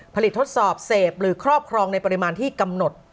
ทดสอบเสพหรือครอบครองในปริมาณที่กำหนด